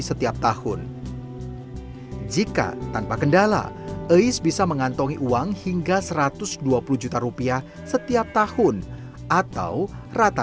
setiap tahun jika tanpa kendala ais bisa mengantongi uang hingga satu ratus dua puluh juta rupiah setiap tahun atau rata